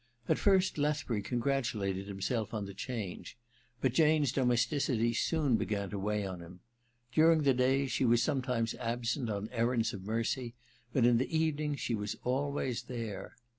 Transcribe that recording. At first Lethbury congratulated himself on the change ; but Jane's domesticity soon began to weigh on him. During the day she was sometimes absent on errands of mercy ; but in the evening she was always there.